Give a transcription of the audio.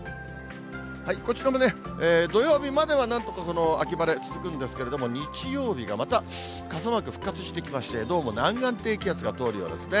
こちらもね、土曜日まではなんとかこの秋晴れ、続くんですけれども、日曜日がまた傘マーク復活してきまして、どうも南岸低気圧が通るようですね。